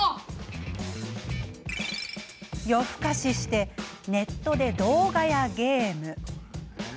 夜更かししてネットで動画やゲーム。